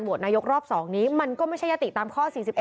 นายกรอบ๒นี้มันก็ไม่ใช่ยติตามข้อ๔๑